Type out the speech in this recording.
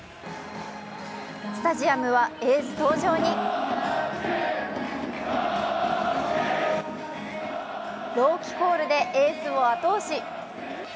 スタジアムはエース登場に朗希コールでエースを後押し。